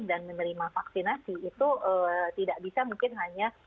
dan menerima vaksinasi itu tidak bisa mungkin hanya